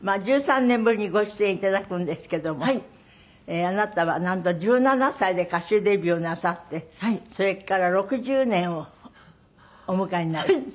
１３年ぶりにご出演頂くんですけどもあなたはなんと１７歳で歌手デビューなさってそれから６０年をお迎えになる。